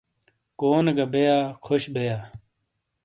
کونے گہ بئیا خوش بئیا ۔